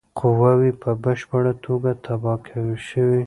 قواوي په بشپړه توګه تباه شوې.